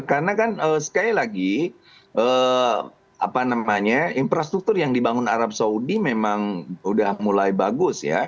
karena sekali lagi infrastruktur yang dibangun arab saudi memang sudah mulai bagus